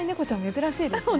珍しいですね。